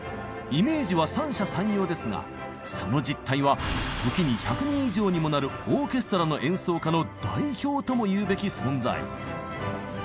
イメージは三者三様ですがその実態は時に１００人以上にもなるオーケストラの演奏家の代表ともいうべき存在。